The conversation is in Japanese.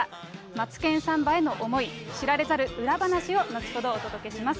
マツケンサンバへの思い、知られざる裏話を後ほどお届けします。